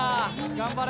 頑張れ。